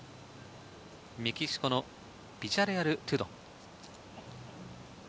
メキシコのビジャレアル・トゥドン。